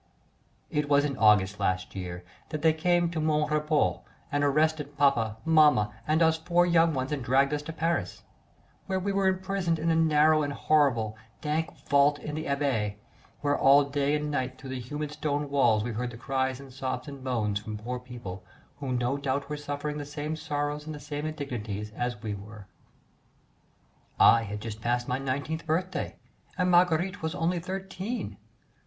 It was in August last year that they came to "Mon Repos" and arrested papa, maman, and us four young ones and dragged us to Paris, where we were imprisoned in a narrow and horrible, dank vault in the Abbaye, where all day and night through the humid stone walls we heard cries and sobs and moans from poor people who no doubt were suffering the same sorrows and the same indignities as we were. I had just passed my nineteenth birthday and Marguerite was only thirteen.